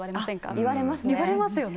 言われますよね。